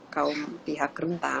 memang pihak krempah